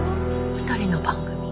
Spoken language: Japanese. ２人の番組。